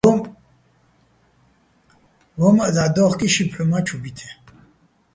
ვო́მაჸ დაჰ̦ დო́ხკიჼ, ში ფჰ̦უ მა́ ჩუ ბითეჼ,